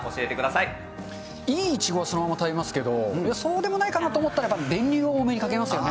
いいイチゴはそのまま食べますけど、そうでもないかなと思ったら、練乳を多めにかけますよね。